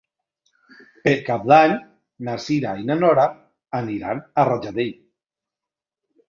Per Cap d'Any na Cira i na Nora aniran a Rajadell.